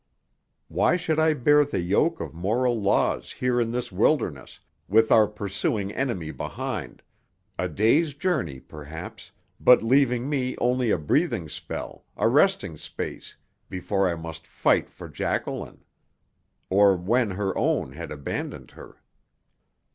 Why should I bear the yoke of moral laws here in this wilderness, with our pursuing enemy behind a day's journey perhaps but leaving me only a breathing spell, a resting space, before I must fight for Jacqueline? Or when her own had abandoned her?